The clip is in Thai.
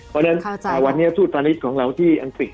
เพราะฉะนั้นวันนี้ทูตพาณิชย์ของเราที่อังกฤษ